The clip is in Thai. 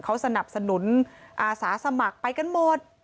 เขาสนับสนุนอาสาสมัครไปกันหมด